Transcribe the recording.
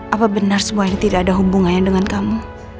apa benar semua ini tidak ada hubungannya dengan kamu